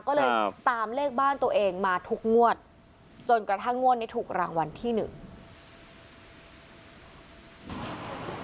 ก็เลยตามเลขบ้านตัวเองมาทุกงวดจนกระทั่งงวดนี้ถูกรางวัลที่หนึ่ง